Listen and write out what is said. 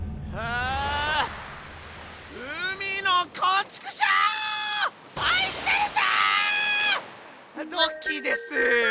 あドッキーです！